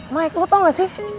mike lu tau gak sih